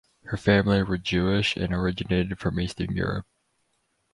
Her family were Jewish and originated from Eastern Europe.